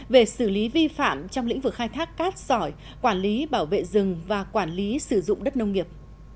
về xử lý vi phạm trong lĩnh vực khai thác cát sỏi quản lý bảo vệ rừng và quản lý sử dụng đất nông nghiệp